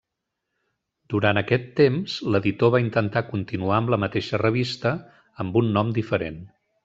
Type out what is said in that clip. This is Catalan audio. Durant aquest temps, l'editor va intentar continuar amb la mateixa revista amb un nom diferent.